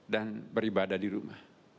dan beribadah di rumah